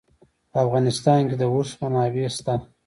په افغانستان کې د اوښ منابع شته.